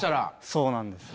そうなんです。